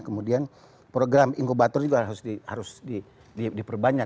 kemudian program inkubator juga harus diperbanyak